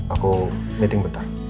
aku meeting bentar